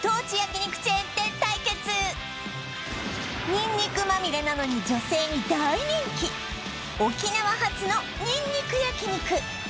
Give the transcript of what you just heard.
にんにくまみれなのに女性に大人気沖縄発のにんにく焼肉